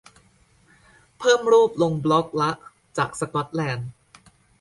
เพิ่มรูปลงบล็อกละ จากสกอตแลนด์